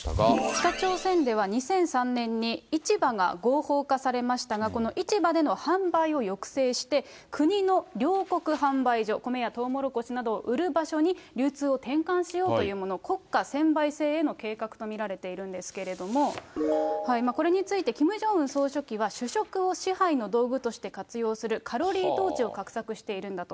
北朝鮮では２００３年に市場が合法化されましたが、この市場での販売を抑制して、国の糧穀販売所、コメやトウモロコシなどを売る場所に流通を転換しようというもの、国家専売制への計画と見られているんですけれども、これについて、キム・ジョンウン総書記は主食を支配の道具として活用するカロリー統治を画策しているんだと。